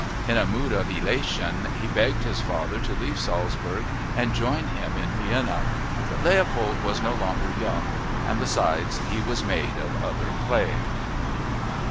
In a mood of elation he begged his father to leave Salzburg and join him in Vienna. But Leopold was no longer young and, besides, he was made of other clay.